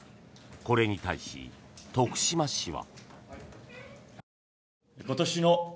これに対し、徳島市は。